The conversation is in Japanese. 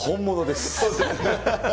本物です。